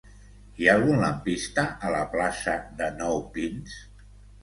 Hi ha algun lampista a la plaça de Nou Pins?